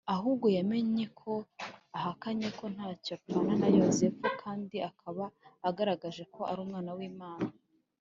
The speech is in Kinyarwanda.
ahubwo yamenye ko ahakanye ko ntacyo apfana na Yosefu, kandi akaba agaragaje ko ari Umwana w’Imana.